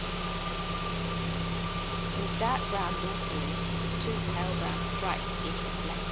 It is dark brown dorsally, with two pale brown stripes edged with black lines.